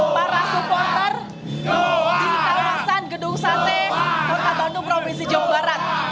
para supporter di kawasan gedung sate kota bandung provinsi jawa barat